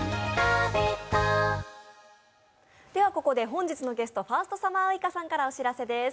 本日のゲストファーストサマーウイカさんからお知らせです。